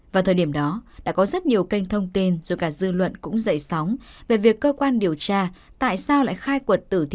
vào thời điểm đó đã có rất nhiều kênh thông tin rồi cả dư luận cũng dậy sóng về việc cơ quan điều tra tại sao lại khai quật tử thi